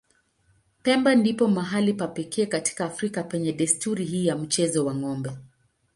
Pemba ndipo mahali pa pekee katika Afrika penye desturi hii ya mchezo wa ng'ombe.